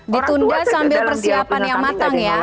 ditunda sambil persiapan yang matang ya